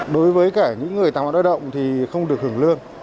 đối với cả những người tài hoạt động thì không được hưởng lương